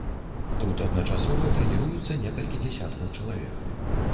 Тут адначасова трэніруюцца некалькі дзясяткаў чалавек.